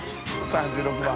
３６番。